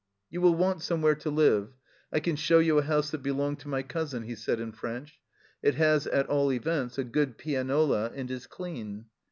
" You will want somewhere to live ; I can show you a house that belonged to my cousin," he said in French. " It has, at all events, a good pianola and is clean."